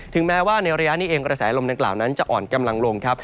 แม้ว่าในระยะนี้เองกระแสลมดังกล่าวนั้นจะอ่อนกำลังลงครับ